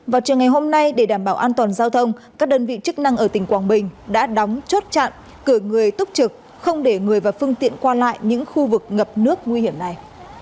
vào trường ngày hôm nay để đảm bảo an toàn giao thông các đơn vị chức năng ở tỉnh quảng bình đã đóng chốt chặn cửa người túc trực không để người và phương tiện qua lại những khu vực ngập nước nguy hiểm này